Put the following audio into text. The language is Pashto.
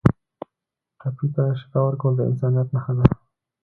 ټپي ته شفا ورکول د انسانیت نښه ده.